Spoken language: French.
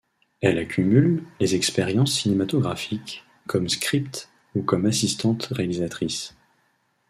Elle accumule les expériences cinématographiques, comme scripte ou comme assistante-réalisatrice.